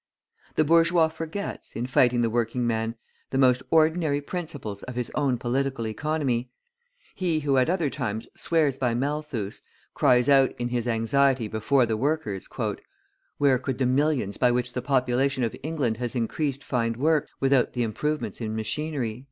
The bourgeois forgets, in fighting the working man, the most ordinary principles of his own Political Economy. He who at other times swears by Malthus, cries out in his anxiety before the workers: "Where could the millions by which the population of England has increased find work, without the improvements in machinery?"